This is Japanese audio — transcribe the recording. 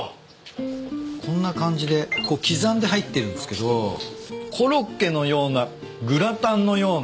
こんな感じで刻んで入ってるんすけどコロッケのようなグラタンのような。